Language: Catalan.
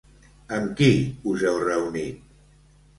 Amb qui us heu reunit?